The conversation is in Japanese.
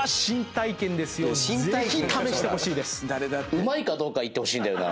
うまいかどうか言ってほしいんだよな。